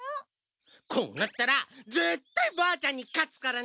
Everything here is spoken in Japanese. こうなったら絶対ばあちゃんに勝つからね！